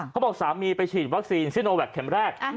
เขาบอกสามีไปฉีดวัคซีนซิโนแวคเข็มแรก